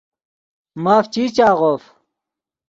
ماف چی چاغوف